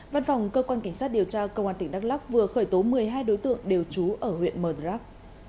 văn phòng cơ quan cảnh sát điều tra công an tỉnh đắk lắc vừa khởi tố một mươi hai đối tượng đều trú ở huyện mờ rắc